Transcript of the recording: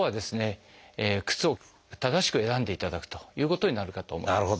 靴を正しく選んでいただくということになるかと思います。